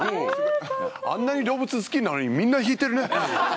あんなに動物好きなのにみんな引いてるね。